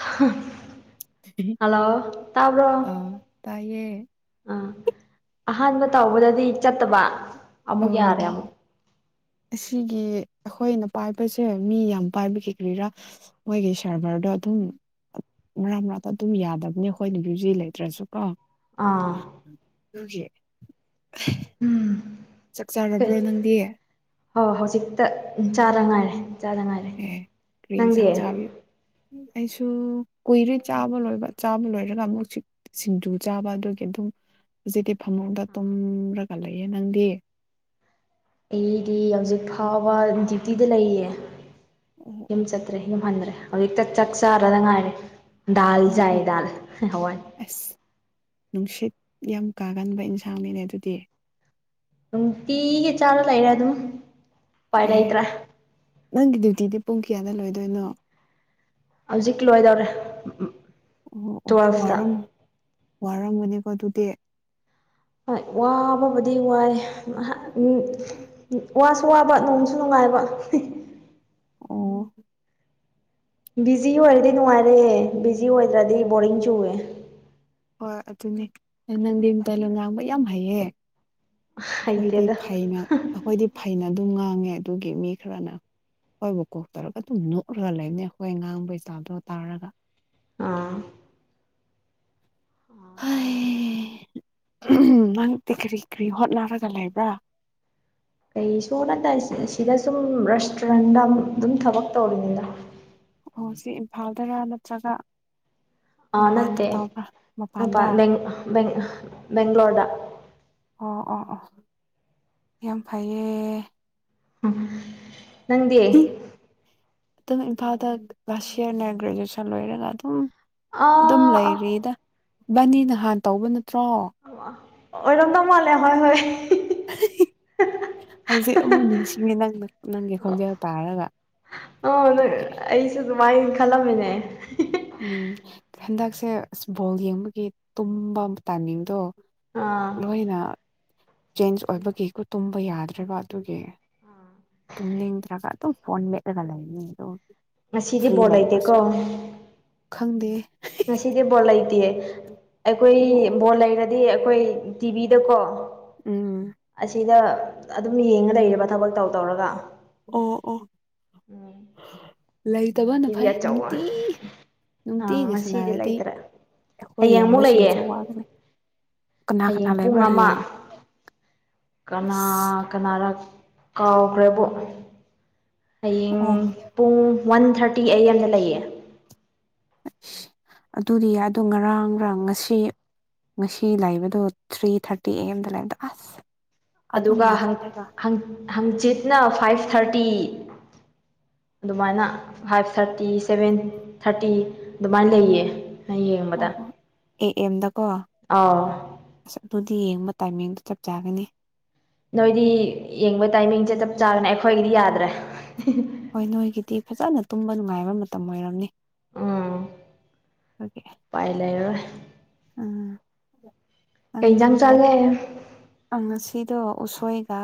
[unintelligible] hello ꯇꯥꯕ꯭ꯔꯣ ꯑꯥ ꯇꯥꯏꯌꯦ ꯑ ꯑꯍꯥꯟꯕ ꯇꯥꯎꯕꯗꯗꯤ ꯆꯠꯇꯕ ꯑꯃꯨꯛ ꯌꯥꯔꯦ ꯑꯣ ꯑꯃꯨꯛ ꯑꯁꯤꯒꯤ ꯑꯩꯈꯣꯏꯅ ꯄꯥꯏꯕꯁꯦ ꯃꯤ ꯌꯥꯝ ꯄꯥꯏꯕ ꯀꯦ ꯀ꯭ꯔꯤꯔꯥ ꯃꯣꯏꯒꯤ ꯁꯥꯔꯚꯔꯗꯣ ꯑꯗꯨꯝ ꯃꯔꯥ ꯃꯔꯅꯥꯛꯇ ꯑꯗꯨꯝ ꯌꯥꯗꯕꯅꯦ ꯑꯩꯈꯣꯏꯅ ꯌꯨꯖꯤ ꯂꯩꯇ꯭ꯔꯁꯨ ꯑꯣ ꯑꯥ ꯎꯝ ꯆꯥꯛ ꯆꯥꯔꯕ꯭ꯔꯣ ꯅꯪꯗꯤ ꯍꯣꯏꯣꯏ ꯍꯧꯖꯤꯛꯇ ꯆꯥꯗ ꯉꯥꯏꯔꯦ ꯆꯥꯗ ꯉꯥꯏꯔꯦ ꯑꯦ ꯀꯔꯤ ꯅꯪꯗꯦ ꯏꯟꯁꯥꯡ ꯆꯥꯕꯤ ꯑꯩꯁꯨ ꯀꯨꯏꯔꯦ ꯆꯥꯕ ꯂꯣꯏꯕ ꯆꯥꯕ ꯂꯣꯏꯔꯒ ꯑꯃꯨꯛꯛ ꯁꯤꯡꯖꯨ ꯆꯥꯕ ꯑꯗꯨꯒꯤ ꯑꯗꯨꯝ ꯍꯧꯖꯤꯛꯇꯤ ꯐꯃꯨꯡꯗ ꯇꯨꯝꯔꯒ ꯂꯩꯌꯦ ꯅꯪꯗꯤ ꯑꯩꯗꯤ ꯌꯥꯝꯖꯤꯛ ꯐꯥꯎꯕ ꯗ꯭ꯌꯨꯇꯤꯗ ꯂꯩꯌꯦ ꯑꯣ ꯌꯨꯝ ꯑꯣ ꯆꯠꯇ꯭ꯔꯦ ꯌꯨꯝ ꯍꯟꯗ꯭ꯔꯦ ꯍꯧꯖꯤꯛꯇ ꯆꯥꯛ ꯆꯥꯔꯗ ꯉꯥꯏꯔꯦ ꯗꯜ ꯑꯣ ꯆꯥꯏ ꯑꯣ ꯗꯜ ꯍꯋꯥꯏ ꯑꯁ ꯅꯨꯡꯁꯤꯠ ꯌꯥꯝ ꯀꯥꯒꯟꯕ ꯏꯟꯁꯥꯡꯅꯤꯅꯦ ꯑꯗꯨꯗꯤ ꯅꯨꯡꯇꯤꯒ ꯆꯥꯔ ꯂꯩꯔꯦ ꯑꯗꯨꯝ ꯎꯄꯥꯏ ꯑꯦ ꯂꯩꯇ꯭ꯔꯦ ꯅꯪꯒꯤ ꯗ꯭ꯌꯨꯇꯤꯗꯤ ꯄꯨꯡ ꯀꯌꯥꯗ ꯂꯣꯏꯗꯣꯏꯅꯣ ꯍꯧꯖꯤꯛ ꯂꯣꯏꯗꯧꯔꯦ ꯑꯣ ꯑꯣ ꯇꯨꯋꯦꯜꯐꯇ ꯋꯥꯔꯝ ꯋꯥꯔꯝꯒꯅꯤꯀꯣ ꯑꯗꯨꯗꯤ ꯍꯣꯏ ꯋꯥꯕꯕꯨꯗꯤ ꯋꯥꯏ ꯎꯝ ꯋꯥꯁꯨ ꯋꯥꯕ ꯅꯣꯡꯁꯨ ꯅꯨꯡꯉꯥꯏ ꯍꯥꯏꯕ ꯑꯣ ꯕꯤꯖꯤ ꯑꯣꯏꯔꯗꯤ ꯅꯨꯡꯉꯥꯏꯔꯦ ꯕꯤꯖꯤ ꯑꯣꯏꯗ꯭ꯔꯗꯤ ꯕꯣꯔꯤꯡ ꯆꯨꯋꯦ ꯍꯣꯏ ꯑꯗꯨꯅꯦ ꯅꯪꯗꯤꯝꯇ ꯂꯝ ꯂꯥꯡꯕ ꯌꯥꯝ ꯍꯩꯌꯦ ꯑꯩꯈꯣꯏꯗꯤ ꯍꯩꯇꯦꯗ ꯐꯩꯅ ꯑꯩꯈꯣꯏꯗꯤ ꯐꯩꯅ ꯑꯗꯨꯝ ꯉꯥꯡꯉꯦ ꯑꯗꯨꯒꯤ ꯃꯤ ꯈꯔꯅ ꯑꯩꯈꯣꯏꯏꯕꯨ ꯀꯣꯛꯇꯔꯒ ꯑꯗꯨꯝ ꯅꯣꯛꯂꯒ ꯂꯩꯅꯦ ꯑꯩꯈꯣꯏ ꯉꯥꯡꯕꯩ ꯆꯥꯗꯣ ꯇꯥꯔꯒ ꯑ ꯍꯥꯏ ꯎꯝ ꯅꯛꯇꯤ ꯀꯔꯤ ꯀꯔꯤ ꯍꯣꯠꯅꯔꯒ ꯂꯩꯕ꯭ꯔꯥ ꯀꯩꯁꯨ ꯅꯠꯇꯦ ꯁꯤꯗ ꯁꯨꯝ ꯔꯦꯁꯇꯨꯔꯦꯟꯗ ꯑꯗꯨꯝ ꯊꯕꯛ ꯇꯧꯔꯤꯅꯤꯗ ꯑꯣ ꯁꯤ ꯏꯝꯐꯥꯜꯗꯔ ꯅꯠꯇ꯭ꯔꯒ [unintelligible] ꯑ ꯃꯄꯥꯟꯗ ꯅꯠꯇꯦ ꯇꯧꯕ꯭ꯔꯥ ꯑ ꯃꯄꯥꯟꯗ ꯕꯦꯡꯒꯂꯣꯔꯗ ꯑꯣ ꯑꯣ ꯑꯣ ꯌꯥꯝ ꯐꯩꯌꯦ ꯅꯪꯗꯤꯑꯦ ꯑꯗꯨꯝ ꯏꯝꯐꯥꯜꯗ ꯂꯥꯁꯌꯥꯔꯅꯦ ꯒꯔꯦꯖꯨꯌꯦꯁꯟ ꯂꯣꯏꯔꯒ ꯑꯗꯨꯝ ꯑꯗꯨꯝ ꯑꯥ ꯑꯥ ꯂꯩꯔꯤꯗ ꯕꯅꯤ ꯅꯍꯥꯟ ꯇꯧꯕ ꯅꯠꯇ ꯑꯣꯏꯔ ꯇꯝꯂꯦ ꯍꯣꯏ ꯍꯣꯏ [unintelligible] ꯍꯧꯖꯤꯛ ꯑꯃꯨꯛ ꯅꯤꯡꯁꯤꯡꯉꯦ ꯅꯪ ꯅꯪꯒꯤ ꯈꯣꯟꯖꯦꯜ ꯇꯥꯔꯒ ꯑ ꯅꯪ ꯑꯗꯨꯒꯤ ꯑꯩꯁꯨ ꯑꯗꯨꯃꯥꯏ ꯈꯜꯂꯝꯃꯤꯅꯦ ꯎꯝ ꯍꯟꯗꯛꯁꯦ ꯑꯁ ꯕꯣꯜ ꯌꯦꯡꯕꯒꯤ ꯇꯨꯝꯕ ꯇꯥꯅꯤꯡꯗꯣ ꯑꯥ ꯆꯦꯟꯖ ꯑꯣꯏꯕ ꯀꯦꯀꯨ ꯇꯨꯝꯕ ꯌꯥꯗ꯭ꯔꯕ ꯑꯗꯨꯒꯤ ꯇꯃꯤꯅꯤꯡ ꯇꯔꯒ ꯑꯗꯨꯣ ꯐꯣꯟꯃꯦꯂꯒ ꯂꯩꯅꯦ ꯑꯗꯣ ꯉꯁꯤꯗꯤ ꯕꯣꯔꯠ ꯂꯩꯇꯦꯀꯣ ꯈꯪꯗꯦ ꯉꯁꯤꯗꯤ ꯕꯣꯜ ꯂꯩꯇꯦ ꯑꯩꯈꯣꯏ ꯑꯣ ꯑꯣ ꯕꯣꯜ ꯂꯩꯔ ꯍꯥꯏꯗꯤ ꯑꯩꯈꯣꯏ ꯇꯤꯚꯤꯗꯀꯣ ꯎꯝ ꯑꯁꯤꯗ ꯑꯗꯨꯝ ꯌꯦꯡꯉ ꯂꯩ ꯊꯕꯛ ꯇꯧ ꯇꯧꯔꯒ ꯑꯣ ꯑꯣ ꯎꯝ ꯂꯩꯇꯕꯅ ꯐꯩ ꯅꯨꯡꯇꯤ [unintelligible] ꯑꯥ ꯅꯨꯡꯇꯤꯒꯤ ꯉꯁꯤꯗꯤ ꯁꯥꯟꯅꯔꯗꯤ ꯂꯩꯇ꯭ꯔꯦ ꯑꯩꯈꯣꯏ ꯍꯌꯦꯡ ꯑꯃꯨꯛ ꯂꯩꯌꯦ ꯌꯦꯡꯕꯁꯤꯡꯁꯨ ꯋꯥꯒꯅꯤ ꯀꯅꯥ ꯀꯅꯥ ꯍꯌꯦꯡ ꯄꯨꯡ ꯂꯩꯕ꯭ꯔꯥ ꯑꯃ ꯍꯌꯦꯡ ꯀꯅꯥ ꯑꯁ ꯀꯅꯥ ꯀꯥꯎꯈ꯭ꯔꯦꯕ ꯍꯌꯦꯡ ꯑꯣ ꯄꯨꯡ ꯋꯥꯟ ꯊꯥꯔꯇꯤ ꯑꯩ ꯑꯦꯝꯗ ꯂꯩꯌꯦ ꯑꯁ ꯑꯗꯨꯗꯤ ꯌꯥꯏꯗꯣ ꯉꯔꯥꯡꯔꯥꯡ ꯉꯁꯤ ꯉꯁꯤ ꯂꯥꯛꯕꯗꯣ ꯊ꯭ꯔꯤ ꯊꯥꯔꯇꯤ ꯑꯦ ꯑꯦꯝꯗ ꯂꯩꯕꯗ ꯑꯁ ꯑꯗꯨ ꯑꯗꯨꯒ ꯌꯦꯡꯈ꯭ꯔꯒ ꯍꯪꯆꯤꯠꯅ ꯐꯥꯏꯚ ꯊꯥꯔꯇꯤ ꯑꯗꯨꯃꯥꯏꯅ ꯐꯥꯏꯚ ꯊꯥꯔꯇꯤ ꯁꯚꯦꯟ ꯊꯥꯔꯇꯤ ꯑꯗꯨꯃꯥꯏꯅ ꯂꯩꯌꯦ ꯑꯩ ꯑꯣ ꯌꯦꯡꯕꯗ ꯍꯣ ꯑꯦ ꯑꯦꯝꯗꯀꯣ ꯑꯥꯎ ꯑꯁ ꯑꯗꯨꯗꯤ ꯌꯦꯡ ꯇꯥꯏꯃꯤꯡꯗꯨꯣ ꯆꯞ ꯆꯥꯒꯅꯤ ꯅꯣꯏꯗꯤ ꯌꯦꯡꯕ ꯇꯥꯏꯃꯤꯡꯁꯦ ꯆꯞ ꯆꯥꯕꯅꯦ ꯑꯩꯈꯣꯏꯒꯤꯗꯤ ꯌꯥꯗ꯭ꯔꯦ ꯍꯣꯏ ꯅꯣꯏꯒꯤꯗꯤ ꯐꯖꯅ ꯇꯨꯝꯕ ꯅꯨꯡꯉꯥꯏꯕ ꯃꯇꯝ ꯑꯣꯏꯔꯝꯅꯤ ꯎꯝ ꯑꯗꯨꯒꯤ ꯄꯥꯏ ꯂꯩ ꯎꯝ ꯅꯪ ꯀꯩꯖꯥꯡ ꯑꯣ ꯆꯠꯂꯦ ꯉꯁꯤꯗꯣ ꯎꯁꯣꯏꯒ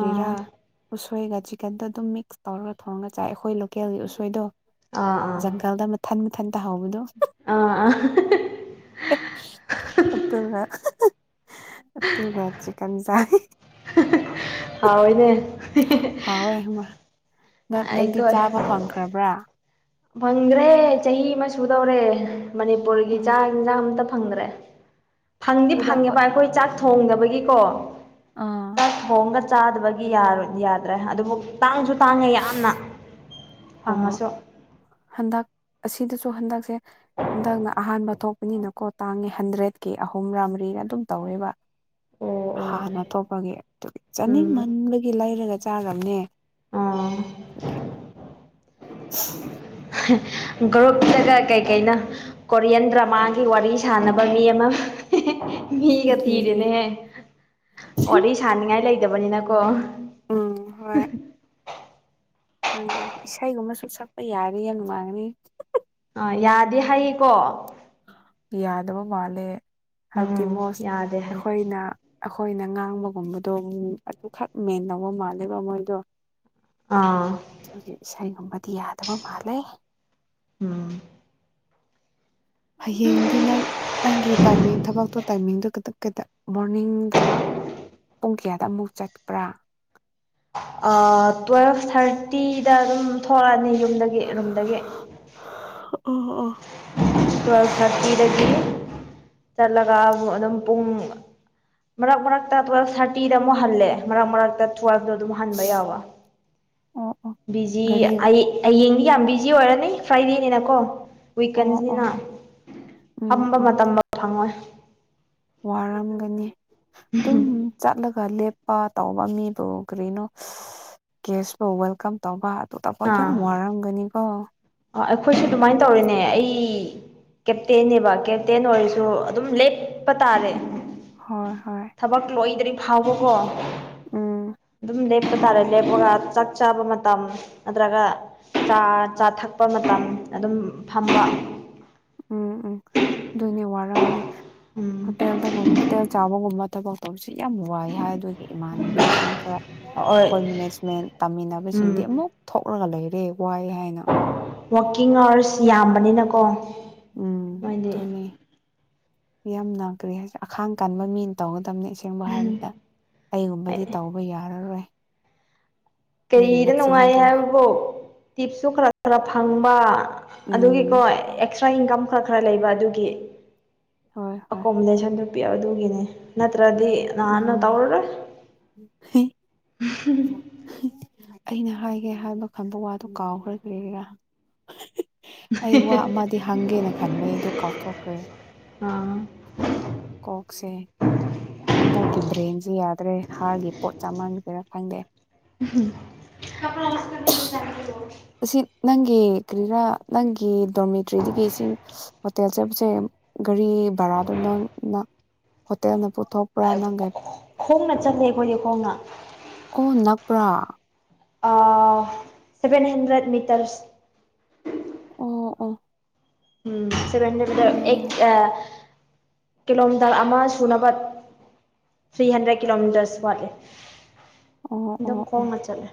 ꯑꯥ ꯎꯁꯣꯏꯒ ꯆꯤꯛꯀꯟꯗꯣ ꯑꯗꯨꯝ ꯃꯤꯛꯁ ꯇꯧꯔꯒ ꯊꯧꯔꯒ ꯆꯥꯏ ꯑꯩꯈꯣꯏ ꯂꯣꯀꯦꯜꯒꯤ ꯎꯁꯣꯏꯗꯣ ꯑꯥ ꯑꯥ ꯖꯪꯒꯜꯗ ꯃꯊ ꯇꯍꯥꯎꯕꯗꯣ ꯑꯥ ꯑꯥ ꯑꯗꯨꯒ ꯇꯒ ꯆꯤꯀꯟꯁꯔ [unintelligible] ꯍꯥꯎꯋꯏꯪꯃ ꯅꯪꯗꯤ ꯑꯩꯈꯣꯏ ꯆꯥꯕ ꯐꯪꯈ꯭ꯔꯕ꯭ꯔꯥ ꯐꯪꯗ꯭ꯔꯦ ꯆꯍꯤ ꯑꯃ ꯁꯨꯗꯧꯔꯦ ꯃꯅꯤꯄꯨꯔꯒꯤ ꯑꯣ ꯆꯥꯛ ꯌꯦꯟꯁꯥꯡ ꯑꯝꯇ ꯐꯪꯗ꯭ꯔꯦ ꯐꯪꯗꯤ ꯐꯪꯉꯦꯕ ꯑꯩꯈꯣꯏ ꯆꯥꯛ ꯊꯣꯡꯗꯕꯒꯤꯀꯣ ꯑꯥ ꯇꯁ ꯍꯣꯡꯒ ꯆꯥꯗꯕꯒꯤ ꯌꯥꯗ꯭ꯔꯦ ꯑꯗꯨꯕꯨ ꯇꯥꯡꯁꯨ ꯇꯥꯡꯉꯦ ꯌꯥꯝꯅ ꯑꯣꯍꯣ ꯐꯉꯁꯨ ꯍꯟꯗꯛ ꯑꯁꯤꯗꯁꯨ ꯍꯟꯗꯛꯁꯦ ꯍꯟꯗꯛꯅ ꯑꯍꯥꯟꯕ ꯊꯣꯛꯄꯅꯤꯅꯀꯣ ꯇꯥꯡꯉꯦ ꯍꯟꯗ꯭ꯔꯦꯠꯀꯤ ꯑꯍꯨꯝ ꯔꯥ ꯃꯔꯤ ꯑꯩꯅ ꯑꯗꯨꯝ ꯇꯧꯦꯕ ꯎꯝ ꯍꯥꯟꯅꯇꯣꯞꯄꯒꯤ ꯑꯗꯨꯒꯤ ꯆꯥꯅꯤꯡꯃꯟꯕꯒꯤ ꯂꯩꯔꯒ ꯆꯥꯔꯕꯅꯦ ꯑꯣ ꯁꯀꯤꯦ [unintelligible] ꯒ꯭ꯔꯨꯞꯇꯒ ꯀꯩꯀꯩꯅ ꯀꯣꯔꯤꯌꯟ ꯗ꯭ꯔꯃꯥꯒꯤ ꯋꯥꯔꯤ ꯁꯥꯟꯅꯕ ꯃꯤ ꯑꯃ ꯃꯤꯒ ꯑꯗꯨꯅꯤ ꯊꯤꯔꯦꯅꯦꯍ ꯋꯥꯔꯤ ꯁꯥꯥꯟꯅꯤꯡꯉꯥꯏ ꯂꯩꯇꯕꯅꯤꯅꯀꯣ [unintelligible] ꯍꯪ ꯏꯁꯩꯒꯨꯝꯕꯁꯨ ꯁꯛꯄ ꯌꯥꯅꯤ ꯌꯥꯝ ꯅꯨꯡꯉꯥꯡꯅꯤ ꯌꯥꯗꯦ ꯍꯥꯏꯌꯦꯀꯣ ꯌꯥꯗꯕ ꯃꯥꯜꯂꯦ ꯍꯥꯏꯕꯗꯤ ꯎꯝ ꯃꯣꯁ ꯌꯥꯗꯦ ꯍꯥꯏ ꯑꯩꯈꯣꯏꯅ ꯑꯩꯈꯣꯏꯅ ꯉꯥꯡꯕꯒꯨꯝꯕꯗꯣ ꯑꯗꯨꯈꯛ ꯃꯦꯟ ꯂꯧꯕ ꯃꯥꯜꯂꯦꯕ ꯃꯣꯏꯗꯣ ꯑꯥ ꯑꯗꯨꯒꯤ ꯏꯁꯩꯒꯨꯝꯕꯗꯤ ꯌꯥꯗꯕ ꯃꯥꯜꯂꯦ ꯎꯝ ꯍꯌꯦꯡꯗꯤ ꯅꯪ ꯅꯪꯒꯤ ꯇꯥꯏꯃꯤꯡ ꯊꯕꯛꯇꯣ ꯇꯥꯏꯃꯤꯡꯗꯨꯣ ꯈꯤꯇꯪ ꯀꯩꯗ ꯃꯣꯔꯅꯤꯡꯗ ꯄꯨꯡ ꯀꯌꯥꯗ ꯑꯃꯨꯛ ꯆꯠꯄ꯭ꯔꯥ ꯑꯥ ꯇꯨꯋꯦꯜꯐ ꯊꯥꯔꯇꯤꯗ ꯑꯗꯨꯝ ꯊꯣꯛꯂꯛꯑꯅꯤ ꯌꯨꯝꯗꯒꯤ ꯔꯨꯝꯗꯒꯤ ꯑꯣ ꯑꯣ ꯇ꯭ꯨꯋꯦꯜ ꯊꯥꯔꯇꯤꯗꯒꯤ ꯆꯠꯂꯒ ꯑꯗꯨꯝ ꯄꯨꯡ ꯃꯔꯛ ꯃꯔꯛꯇ ꯇꯨꯋꯦꯜꯐ ꯊꯥꯔꯇꯤꯗ ꯑꯃꯨꯛ ꯍꯜꯂꯦ ꯃꯔꯛ ꯃꯔꯛꯇ ꯇꯨꯋꯦꯜꯕꯇꯣ ꯑꯗꯨꯝ ꯍꯟꯕ ꯌꯥꯕ ꯑꯣ ꯑꯣ ꯕꯤꯖꯤ ꯒꯥꯔꯤ ꯑꯩ ꯍꯌꯦꯡꯗꯤ ꯌꯥꯝ ꯕꯤꯖꯤ ꯑꯣꯏꯔꯅꯤ ꯐ꯭ꯔꯥꯏꯗꯦꯅꯤꯅꯀꯣ ꯑꯣ ꯑꯣ ꯋꯤꯀꯦꯟꯁꯅꯤꯅ ꯎꯝ ꯐꯝꯕ ꯎꯝ ꯃꯇꯝꯗ ꯐꯪꯉꯣꯏ ꯋꯥꯔꯝꯒꯅꯤ ꯑꯗꯨꯝ ꯆꯠꯂꯒꯞ ꯆꯠꯄ ꯇꯧꯕ ꯃꯤꯕꯨ ꯀꯔꯤꯅꯣ ꯀꯦꯁꯄꯨ ꯋꯦꯜꯀꯝ ꯇꯧꯕ ꯇꯣꯇꯐꯥꯎ ꯌꯥꯝ ꯋꯥꯔꯝꯒꯅꯤꯀꯣ ꯑ ꯑꯩꯈꯣꯏꯁꯨ ꯑꯗꯨꯃꯥꯏꯅ ꯇꯧꯔꯤꯅꯦ ꯑꯩ ꯀꯦꯞꯇꯦꯦꯕ ꯀꯦꯞꯇꯦꯟ ꯑꯣꯏꯔꯁꯨ ꯑꯗꯨꯝ ꯂꯦꯞꯄ ꯇꯥꯔꯦ ꯍꯣꯏ ꯍꯣꯏ ꯊꯕꯛ ꯂꯣꯏꯗ꯭ꯔꯗꯤ ꯐꯥꯎꯕꯀꯣ ꯎꯝ ꯑꯗꯨꯝ ꯆꯠꯄ ꯇꯥꯔꯦ ꯂꯦꯞꯄꯒ ꯆꯥꯛ ꯆꯥꯕ ꯃꯇꯝ ꯅꯠꯇ꯭ꯔꯒ ꯆꯥ ꯆꯥ ꯊꯛ ꯄꯄ ꯃꯇꯝ ꯑꯗꯨꯝ ꯐꯝꯕ ꯎꯝ ꯎꯝ ꯑꯗꯨꯅꯦ ꯋꯥꯔꯝꯃꯨꯅꯦ ꯎꯝ ꯍꯇꯦꯜꯗ ꯍꯦꯜ ꯆꯥꯕꯣꯒꯨꯝꯃ ꯇ ꯌꯥꯝ ꯋꯥꯏ ꯍꯥꯏ ꯑꯗꯨꯒꯤ ꯏꯃꯥꯟꯅꯕꯤꯁꯤꯡ ꯈꯔ ꯑꯩꯈꯣꯏ ꯍꯣꯏ ꯃꯦꯅꯦꯖꯃꯦꯟ ꯇꯥꯃꯤꯟꯅꯕꯁꯤꯡꯗꯤ ꯎꯝ ꯑꯃꯨꯛ ꯊꯣꯛꯂꯒ ꯂꯩꯔꯦ ꯋꯥꯏ ꯍꯥꯏꯅ ꯋꯥꯀꯤꯡ ꯑꯥꯋꯔꯁ ꯌꯥꯝꯕꯅꯤꯅꯀꯣ ꯃꯣꯏꯗꯤ ꯎꯝꯇꯅꯤ ꯌꯥꯝꯅ ꯀꯔꯤ ꯍꯥꯏꯁꯦ ꯑꯈꯥꯡ ꯀꯥꯟꯕ ꯃꯤꯅ ꯇꯧꯒꯗꯕꯅꯦ ꯑꯁꯦꯡꯕ ꯍꯥꯏꯕꯗ ꯑꯩꯒꯨꯝꯕꯗꯤ ꯇꯧꯕ ꯌꯥꯔꯔꯣꯏ ꯑꯩꯒꯤ ꯀꯩꯔ ꯅꯨꯡꯉꯥꯏ ꯃꯆꯤꯟꯗꯣ ꯍꯥꯏꯕꯣ ꯇꯤꯞꯁꯨ ꯈꯔ ꯈꯔ ꯐꯪꯕ ꯑꯗꯨꯒꯤꯀꯣ ꯎꯝ ꯑꯦꯛꯁꯇ꯭ꯔꯥ ꯏꯟꯀꯝ ꯈꯔ ꯈꯔ ꯂꯩꯕ ꯑꯗꯨꯒꯤ ꯍꯣꯏ ꯍꯣꯏ ꯑꯦꯀꯣꯃꯣꯗꯦꯁꯟꯗꯨ ꯄꯤ ꯑꯗꯨꯒꯤꯅꯤ ꯅꯠꯇ꯭ꯔꯗꯤ ꯅꯥꯟꯅ ꯎꯝ ꯇꯧꯔ꯭ꯔꯦ ꯑꯩꯅ ꯍꯥꯏꯒꯦ ꯍꯥꯏꯕ ꯈꯟꯕ ꯋꯥꯗꯨꯣ ꯀꯥꯎꯈ꯭ꯔꯗꯔꯤꯔꯥ ꯑꯩ ꯋꯥ ꯑꯃꯗꯤ ꯍꯪꯒꯦꯅ ꯈꯟꯕꯅꯤ ꯑꯗꯨ ꯀꯥꯎꯊꯣꯛꯈ꯭ꯔꯦ ꯑꯥ ꯀꯣꯛꯁꯦ ꯍꯟꯗꯛꯀꯤ ꯕ꯭ꯔꯦꯟꯁꯦ ꯌꯥꯗ꯭ꯔꯦ ꯍꯥꯔꯒꯤ ꯄꯣꯠ ꯆꯥ ꯃꯥꯟ ꯀꯩꯔꯥ ꯈꯪꯗꯦ ꯑꯁꯤ [unintelligible] ꯅꯪꯒꯤ ꯀꯔꯤꯔꯥ ꯅꯪꯒꯤ ꯗꯣꯔꯃꯦꯇ꯭ꯔꯤꯗꯒꯤ ꯁꯤ ꯍꯣꯇꯦꯜ ꯆꯠꯄꯁꯦ ꯒꯥꯔꯤ ꯚꯔꯥꯗꯨ ꯅꯪꯅ ꯍꯣꯇꯦꯜꯅ ꯄꯨꯊꯣꯛꯄ꯭ꯔꯥ ꯅꯪꯒꯤ ꯈꯣꯡꯅ ꯆꯠꯂꯦ ꯑꯩꯈꯣꯏꯒꯤ ꯈꯣꯡꯅ ꯑꯣ ꯅꯛꯄ꯭ꯔꯥ ꯑ ꯁꯚꯦꯟ ꯍꯟꯗ꯭ꯔꯦꯠ ꯃꯤꯇꯔꯁ ꯑꯣ ꯑꯣ ꯎꯝ ꯁꯤꯚꯦꯟꯗꯔ ꯌꯥꯏ ꯌꯥꯏ ꯑ ꯀꯤꯂꯣꯃꯤꯇꯔ ꯑꯃ ꯁꯨꯅꯕ ꯊ꯭ꯔꯤ ꯍꯟꯗ꯭ꯔꯦꯠ ꯀꯤꯂꯣꯃꯤꯇꯔꯁ ꯋꯥꯠꯂꯦ ꯑꯣ ꯑꯗꯨ ꯑꯗꯨꯝ ꯑꯣ ꯑꯣ ꯈꯣꯡꯅ ꯆꯠꯂꯦ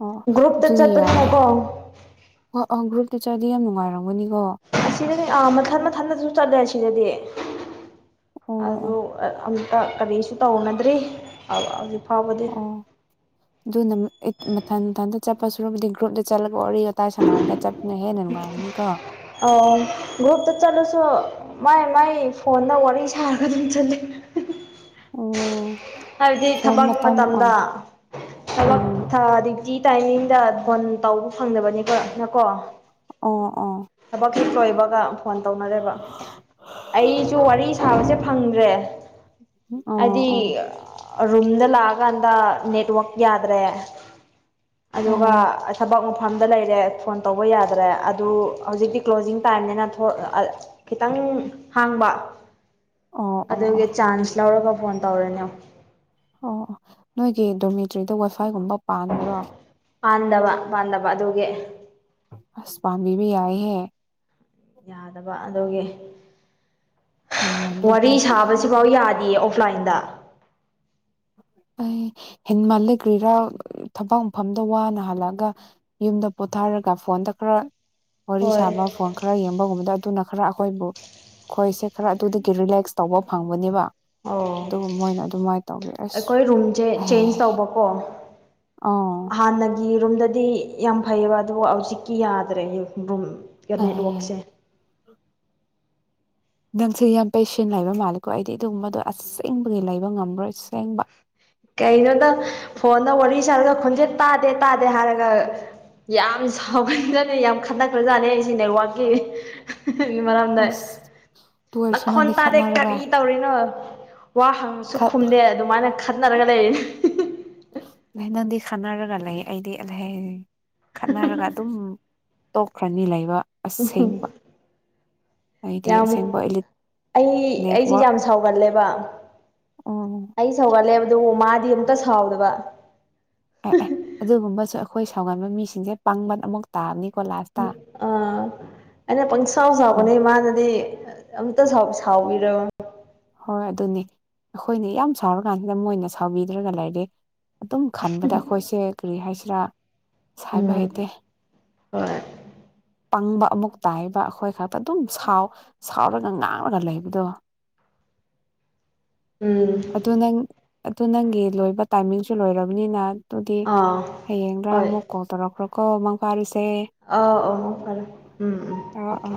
ꯑꯣ ꯒ꯭ꯔꯨꯞꯇ ꯑꯗꯨꯏ ꯆꯠꯄꯅꯤꯅꯀꯣ ꯌꯥꯏꯪꯒ꯭ꯔꯜꯀꯤ ꯆꯗꯤ ꯃꯉꯥꯏꯔ ꯑꯁꯤꯗꯅꯦ ꯑꯥ ꯃꯊꯟ ꯃꯊꯟꯗꯁꯨ ꯆꯠꯂꯦ ꯑꯁꯤꯗꯗꯤ ꯑꯣ ꯑꯗꯨ ꯑꯣ ꯑꯃꯨꯛꯇ ꯀꯔꯤꯁꯨ ꯇꯧꯅꯗ꯭ꯔꯤ ꯍꯧꯖꯤꯛ ꯐꯥꯎꯕꯗꯤ ꯑꯣ ꯑꯗꯨ ꯅ ꯃꯊ ꯃꯊꯗ ꯆꯠꯄ ꯁꯨꯔꯨꯕꯗꯤ ꯒ꯭ꯔꯨꯞꯗ ꯆꯠꯂ ꯋꯥꯔꯤꯣ ꯀ ꯇ ꯁꯅꯔꯒ ꯆꯞꯅ ꯍꯦ ꯅꯅꯨꯡꯉꯥꯏꯗꯅꯤ ꯀꯣ ꯑ ꯣꯇ ꯆꯂꯨꯁ ꯃꯥꯏ ꯃꯥꯏ ꯐꯣꯟꯗ ꯋꯥꯔꯤ ꯁꯥꯔꯒ ꯑꯗꯨꯝ ꯆꯠꯂ ꯑꯣ ꯍꯥꯏꯕꯗꯤ ꯐꯣꯟ ꯊꯕꯛ ꯃꯇꯝ ꯑꯣꯏ ꯃꯇꯝꯗ ꯊꯕꯛ ꯎꯝ ꯇꯥꯏꯃꯤꯡꯗ ꯣꯟ ꯇꯧꯕ ꯐꯪꯖꯕꯅꯤꯀꯣ ꯅꯀꯣ ꯑꯣ ꯑꯣ ꯊꯕꯛꯁꯤ ꯂꯣꯏꯕꯒ ꯐꯣꯟ ꯇꯧꯅꯔꯦꯕ ꯑꯩꯁꯨ ꯋꯥꯔꯤ ꯁꯥꯕꯁꯦ ꯐꯪꯗ꯭ꯔꯦ ꯑꯣ ꯑꯣ ꯍꯥꯏꯗꯤ ꯑꯣ ꯔꯨꯝꯗ ꯂꯥꯛꯑꯀꯥꯟꯗ ꯅꯦꯠꯋꯛ ꯌꯥꯗ꯭ꯔꯦ ꯑꯣ ꯑꯗꯨꯒ ꯊꯕꯛ ꯃꯐꯝꯗ ꯂꯩꯔꯦ ꯐꯣꯟ ꯇꯧꯕ ꯌꯥꯗ꯭ꯔꯦ ꯑꯗꯨ ꯍꯧꯖꯤꯛꯇꯤ ꯀ꯭ꯂꯣꯖꯤꯡ ꯇꯥꯏꯝꯅꯤꯅ ꯈꯤꯇꯪ ꯍꯥꯡꯕ ꯑꯣ ꯑꯣ ꯑꯣ ꯑꯗꯨꯒꯤ ꯆꯥꯟꯁ ꯂꯧꯔꯒ ꯐꯣꯟ ꯇꯧꯔꯅꯤꯣ ꯑꯣ ꯑꯣ ꯅꯣꯏꯒꯤ ꯗꯣꯃꯤꯇ꯭ꯔꯤꯗ ꯋꯥꯏꯐꯥꯏꯒꯨꯝꯕ ꯄꯗ꯭ꯔꯣ ꯄꯥꯟꯗꯕ ꯄꯥꯟꯗꯕ ꯑꯗꯨꯒꯤ ꯍꯁꯄꯥꯟꯕꯤꯕꯤ ꯑꯏ ꯍ ꯌꯥꯗꯕ ꯑꯗꯨꯒꯤ ꯋꯥꯔꯤ ꯍꯦꯟꯃꯜꯂꯦꯍꯦ ꯁꯥꯕꯁꯤꯐꯥꯎ ꯌꯥꯗꯦꯌꯦ ꯑꯣꯐꯂꯥꯏꯟꯗ ꯑꯩ ꯍꯦꯟ ꯃꯥꯜꯂ ꯀ꯭ꯔꯤꯔꯥ ꯊꯕꯛ ꯃꯐꯝꯗ ꯋꯥꯅ ꯍꯜꯂꯑꯒ ꯌꯨꯝꯗ ꯄꯣꯊꯥꯔ ꯍꯥꯏꯔꯒ ꯐꯣꯟꯗ ꯈꯔ ꯋꯥꯔꯤ ꯍꯣꯏ ꯁꯥꯕ ꯐꯣꯟ ꯈꯔ ꯌꯦꯡꯕꯒꯨꯝꯕꯗ ꯑꯗꯨꯅ ꯈꯔ ꯑꯩꯈꯣꯏꯕꯨ ꯑꯩꯈꯣꯏꯁꯦ ꯈꯔ ꯑꯗꯨꯗꯒꯤ ꯔꯤꯂꯦꯛꯁ ꯇꯧꯕ ꯐꯪꯕꯅꯦꯕ ꯑꯣ ꯑꯗꯨ ꯃꯣꯏꯅ ꯑꯗꯨꯃꯥꯏꯅ ꯇꯧꯕꯋ ꯑꯁ ꯦ ꯆ ꯑꯦ ꯇꯣ ꯑꯥ ꯍ ꯑꯩꯒꯤ ꯔꯨꯝꯗꯗꯤ ꯌꯥꯝ ꯐꯩꯑꯕ ꯑꯗꯨꯕꯨ ꯍꯧꯖꯤꯛꯀꯤ ꯌꯥꯗ꯭ꯔꯦ ꯔꯨꯝ ꯏ ꯑꯦ ꯅꯦꯠꯋꯛꯁꯦ ꯅꯪꯁꯦ ꯌꯥꯝ ꯄꯦꯁꯟ ꯂꯩꯕ ꯃꯥꯜꯂꯦꯀꯣ ꯑꯩꯗꯤ ꯑꯗꯨꯒꯨꯝꯕꯗꯣ ꯑꯁꯦꯡꯕꯒꯤ ꯂꯩꯕ ꯉꯝꯃ꯭ꯔꯣꯏ ꯀꯩꯅꯩꯅꯣꯗ ꯐꯣꯟꯗ ꯋꯥꯔꯤ ꯋꯥꯔꯤ ꯁꯥꯔꯗ ꯈꯣꯟꯆꯦꯠ ꯇꯥꯗꯦ ꯇꯥꯗꯦ ꯍꯥꯏꯔꯒ ꯌꯥꯝ ꯁꯥꯎꯈꯟꯖꯥꯠꯅꯤ ꯌꯥꯝ ꯈꯗꯈ꯭ꯔꯖꯥꯠꯅꯦ ꯑꯩꯁꯤ ꯅꯦꯠꯋꯥꯛꯀꯤ ꯏꯃꯔꯝꯗꯏ ꯑꯁ ꯇꯨ ꯑꯣꯏꯔꯁꯨ ꯅꯈꯣꯟ ꯅꯪꯗꯤ ꯇꯥꯗꯦ ꯈꯠꯅꯔꯒ ꯀꯔꯤ ꯇꯧꯔꯤꯅꯣ ꯋꯥ ꯍꯪꯉꯁꯨ ꯈꯠ ꯈꯨꯝꯗꯦ ꯃꯥꯅ ꯈꯠꯅꯔꯒ ꯂꯩ ꯑ ꯅꯪꯗꯤ ꯈꯠꯅꯔꯒ ꯂꯩ ꯑꯩꯗꯤ ꯈꯠꯅꯔꯒ ꯑꯗꯨꯝ ꯇꯣꯛꯈ꯭ꯔꯅꯤ ꯂꯩꯕ ꯑꯁꯦꯡꯕ ꯑꯩꯗꯤ ꯌꯥꯝ ꯑꯁꯦꯡꯕ ꯑꯩ ꯑꯩꯁꯦ ꯅꯦꯠꯋꯔꯛ ꯌꯥꯝ ꯁꯥꯎꯒꯜꯂꯦꯕ ꯑꯩ ꯁꯧꯒꯠꯂꯦꯕ ꯑꯗꯨꯕꯨ ꯃꯥꯗꯤ ꯑꯝꯇ ꯁꯥꯎꯗꯕ ꯑꯦ ꯑꯦ ꯑꯗꯨꯒꯨꯝꯕꯁꯨ ꯑꯩꯈꯣꯏ ꯁꯥꯎꯒꯟꯕ ꯃꯤꯁꯤꯡꯁꯦ ꯄꯥꯡꯕꯟ ꯑꯃꯨꯛ ꯇꯥꯕꯅꯤ ꯝ ꯑꯥ ꯑꯩꯅ ꯄꯪꯁꯥꯎ ꯁꯥꯎꯕꯅꯦ ꯑꯗꯨꯅꯤ ꯃꯥꯅꯗꯤ ꯑꯝꯇ ꯁꯥꯎꯕꯤꯔꯕ ꯍꯣꯏ ꯑꯗꯨꯅꯤ ꯑꯩꯈꯣꯏꯅ ꯌꯥꯝ ꯁꯥꯎꯔꯀꯥꯟꯁꯤꯗ ꯃꯣꯏꯅ ꯁꯥꯎꯕꯤꯗ꯭ꯔꯒ ꯂꯩꯔꯦ ꯑꯗꯨꯝ ꯈꯟꯕꯗ ꯑꯩꯈꯣꯏꯁꯦ ꯀꯔꯤ ꯍꯥꯏꯁꯤꯔꯥ ꯍꯥꯏꯕ ꯎꯝ ꯍꯩꯇꯦ ꯍꯣꯏ ꯄꯪꯕ ꯑꯃꯨꯛ ꯇꯥꯏꯕ ꯑꯩꯈꯣꯏ ꯈꯛꯇ ꯑꯗꯨꯝꯥꯎ ꯁꯥꯎꯔꯒ ꯉꯥꯡꯔꯒ ꯂꯩꯕꯗꯣ ꯎꯝ ꯑꯗꯨ ꯅꯪ ꯑꯗꯨ ꯅꯪꯒꯤ ꯂꯣꯏꯕ ꯇꯥꯏꯃꯤꯡꯁꯨ ꯂꯣꯏꯔꯕꯅꯤꯅ ꯑꯗꯨꯗꯤ ꯑꯥ ꯍꯌꯦꯡꯗꯥ ꯍꯣꯏ ꯑꯃꯨꯛ ꯀꯣꯜ ꯇꯧꯔꯛꯈ꯭ꯔꯣ ꯀꯣ ꯃꯪ ꯐꯥꯔꯤꯁꯦ ꯑ ꯑ ꯐꯔꯦ ꯎꯝ ꯎꯝ ꯑ ꯑ ꯑꯣꯀꯦ